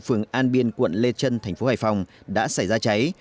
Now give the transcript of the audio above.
phường an biên quận lê trân thành phố hải phòng đã xảy ra cháy